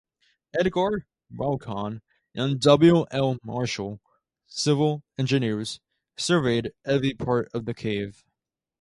Edgar Vaughan and W. L. Marshall, civil engineers, surveyed every part of the cave.